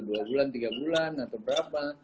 bisa satu dua bulan tiga bulan atau berapa